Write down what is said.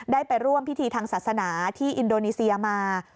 ไปร่วมพิธีทางศาสนาที่อินโดนีเซียมา